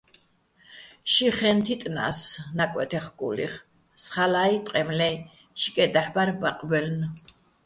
ში ხეჼ თიტნა́ს ნაკვე́თე ხკული́ხ, სხალაჲ, ტყემლე́ჲ, შიკეჸ დაჰ̦ ბარ ბაყბაჲლნო̆.